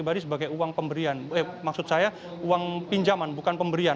pribadi sebagai uang pemberian maksud saya uang pinjaman bukan pemberian